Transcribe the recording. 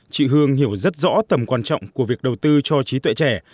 chị hương hiểu rất rõ tầm quan trọng của việc đầu tư cho trí tuệ trẻ